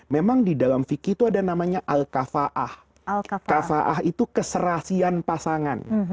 memang di dalam fikir itu ada namanya al kafaa al kafaa itu keserasian pasangan